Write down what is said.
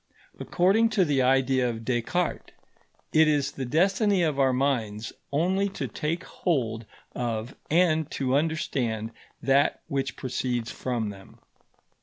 According to the idea of Descartes, it is the destiny of our minds only to take hold of and to understand that which proceeds from them.